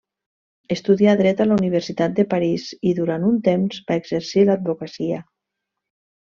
Estudià dret a la Universitat de París, i durant un temps va exercir l'advocacia.